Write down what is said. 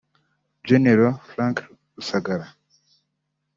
Gen Frank Rusagara